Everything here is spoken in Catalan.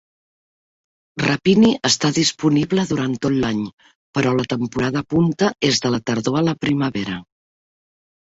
Rapini està disponible durant tot l'any, però la temporada punta és de la tardor a la primavera.